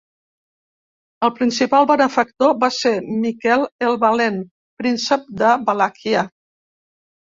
El principal benefactor va ser Miquel el Valent, príncep de Valàquia.